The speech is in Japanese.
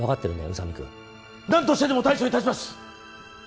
宇佐美くん何としてでも対処いたします！